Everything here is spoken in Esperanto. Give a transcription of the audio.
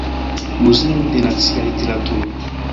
Muzeo de Nacia Literaturo.